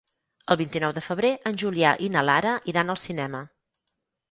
El vint-i-nou de febrer en Julià i na Lara iran al cinema.